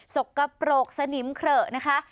สกปรกสนิมเขละนะคะ